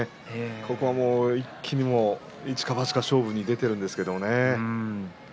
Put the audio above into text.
ここはもう一か八か勝負に出ているんですけどね。